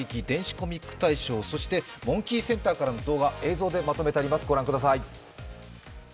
電子コミック大賞、そしてモンキーセンターからの動画、映像でまとめてあります。